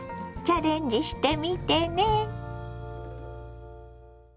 チャレンジしてみてね。